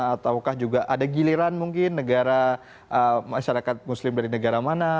ataukah juga ada giliran mungkin negara masyarakat muslim dari negara mana